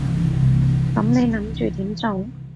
噉你諗住點做？